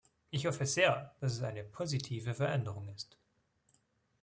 Ich hoffe sehr, dass es eine positive Veränderung ist.